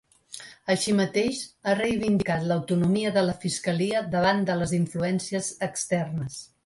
Així mateix, ha reivindicat l’autonomia de la fiscalia davant de les influències externes.